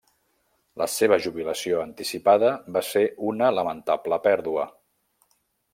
La seva jubilació anticipada va ser una lamentable pèrdua.